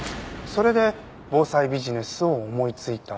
それで防災ビジネスを思いついた？